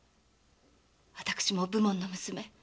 私も武門の娘。